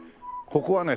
ここはね